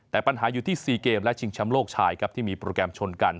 แต่ปัญหาอยู่ที่๔เกมและชิงแชมป์โลกชายครับที่มีโปรแกรมชนกัน